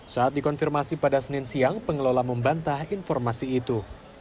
saat dikonfirmasi pada senin siang pengelola membantah informasi itu